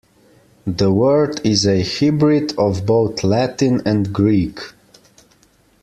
The word is a hybrid of both Latin and Greek.